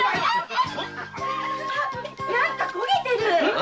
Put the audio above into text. あ⁉何か焦げてる！